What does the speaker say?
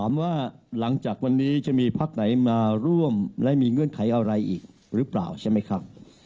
ว่าหลังจากวันนี้จะมีพักไหนมาร่วมและมีเงื่อนไขอะไรอีกหรือเปล่าใช่ไหมครับ